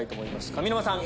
上沼さん